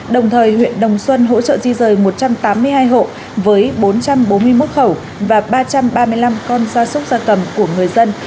đồng thời huyện đồng xuân hỗ trợ di rời một trăm tám mươi hai hộ với bốn trăm bốn mươi một khẩu và ba trăm ba mươi năm con da súc da cầm của người dân